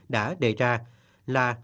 đã đề ra là